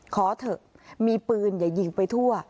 ขอเถอะมีปืนอย่ายิงไปทั่ว